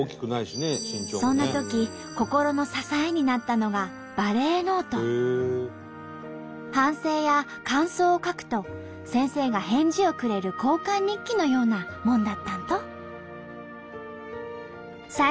そんなとき心の支えになったのが反省や感想を書くと先生が返事をくれる交換日記のようなもんだったんと！